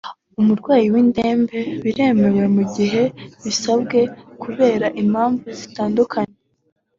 umurwayi w’indembe biremewe mu gihe bisabwe kubera impamvu zitandukanye